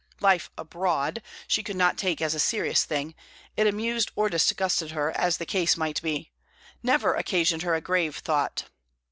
Life "abroad" she could not take as a serious thing; it amused or disgusted her, as the case might be never occasioned her a grave thought.